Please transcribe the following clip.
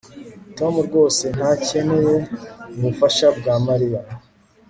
Tom rwose ntakeneye ubufasha bwa Mariya